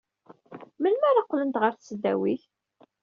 Melmi ara qqlent ɣer tesdawit?